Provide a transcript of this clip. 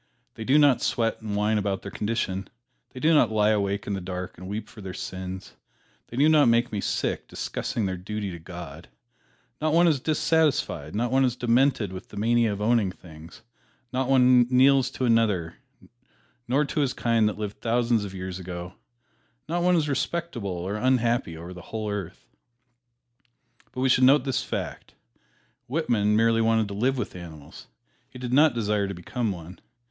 They do not sweat and whine about their condition, They do not lie awake in the dark and weep for their sins, They do not make me sick discussing their duty to God, Not one is dissatisfied, not one is demented with the mania of owning things, Not one kneels to another, nor to his kind that lived thousands of years ago, Not one is respectable or unhappy over the whole earth. But we should note this fact: Whitman merely wanted to live with animals he did not desire to become one.